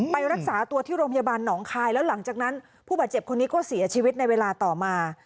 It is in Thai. ไปรักษาตัวที่โรงพยาบาลหนองคายแล้วหลังจากนั้นผู้บาดเจ็บคนนี้ก็เสียชีวิตในเวลาต่อมา